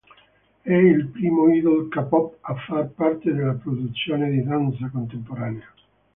È il primo idol K-pop a far parte della produzione di danza contemporanea.